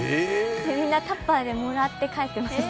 みんなタッパでもらって帰ってました。